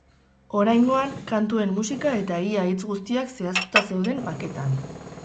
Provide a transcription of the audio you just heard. Oraingoan, kantuen musika eta ia hitz guztiak zehaztuta zeuden maketan.